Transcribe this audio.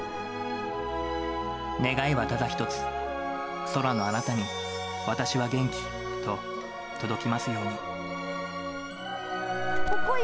願いはただ一つ、空のあなたに私は元気と届きますように。